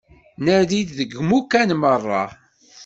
Nadi deg imukan meṛṛa.